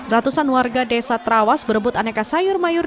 ratusan warga desa trawas berebut aneka sayur mayur